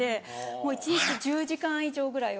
もう一日１０時間以上ぐらいを。